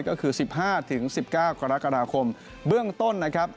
ก็คือ๑๕๑๙กรกฎาคมเบื้องต้นนะครับ